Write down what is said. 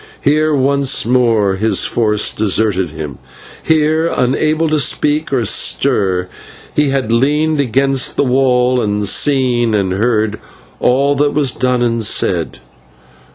Here once more his force deserted him; here, unable to speak or stir, he had leaned against the wall and seen and heard all that was done and said.